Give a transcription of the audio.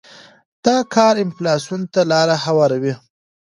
دا کار انفلاسیون ته لار هواروي.